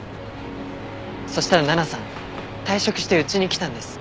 そしたら奈々さん退職してうちに来たんです。